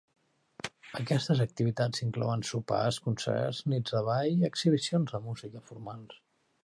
Aquestes activitats inclouen sopars, concerts, nits de ball i exhibicions de música formals.